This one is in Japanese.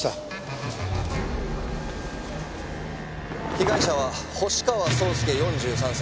被害者は星川草介４３歳。